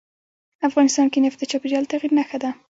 افغانستان کې نفت د چاپېریال د تغیر نښه ده.